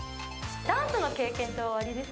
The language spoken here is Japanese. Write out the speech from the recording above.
ダンスの経験っておありです